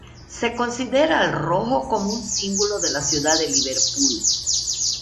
Se considera al rojo como un símbolo de la ciudad de Liverpool.